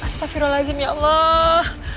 astaghfirullahaladzim ya allah